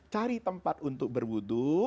cari tempat untuk berbudu